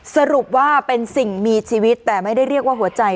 สรุปว่าเป็นสิ่งมีชีวิตแต่ไม่ได้เรียกว่าหัวใจ